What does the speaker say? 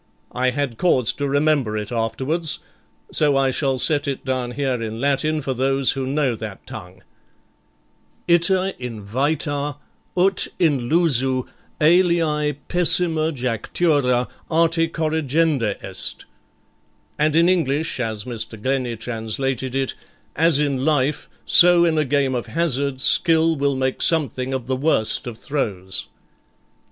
I had cause to remember it afterwards, so I shall set it down here in Latin for those who know that tongue, Ita in vita ut in lusu alae pessima jactura arte corrigenda est, and in English as Mr. Glennie translated it, As in life, so in a game of hazard, skill will make something of the worst of throws.